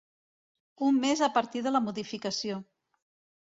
Un mes a partir de la modificació.